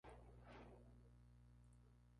Está situado a orillas del río Siurana.